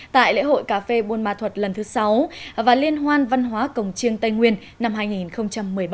tại lễ hội cà phê buôn ma thuật lần thứ sáu và liên hoan văn hóa cổng chiêng tây nguyên năm hai nghìn một mươi bảy